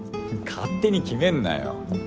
勝手に決めんなよ。